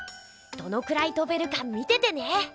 どのくらいとべるか見ててね！